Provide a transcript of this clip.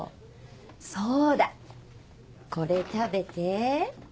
そうだこれ食べて。